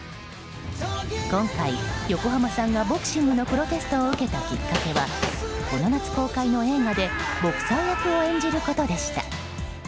今回、横浜さんがボクシングのプロテストを受けたきっかけはこの夏公開の映画でボクサー役を演じることでした。